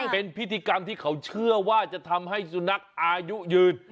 เป็นพิธีกรรมที่เขาเชื่อว่าจะทำให้สุนัขอายุยืน